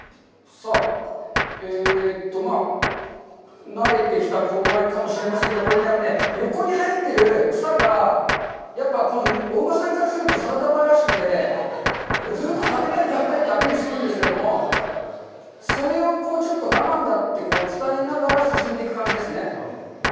さあ、えっと、慣れてきた頃合いかもしれませんけど、これね、やっぱりね、横にはえている草がやっぱりお馬さんからするとサラダバーらしくて、ずっと食べたい、食べたいってアピールしてくるんですけど、それをこう、ちょっと我慢だって伝えながら進んでいく感じですね。